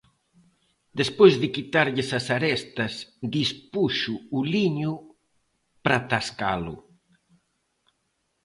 Despois de quitarlle as arestas, dispuxo o liño para tascalo.